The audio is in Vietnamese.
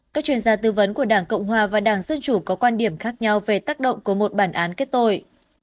các chuyên gia tư vấn của đảng cộng hòa và đảng dân chủ có quan điểm khác nhau về tác động của một bản án kết tội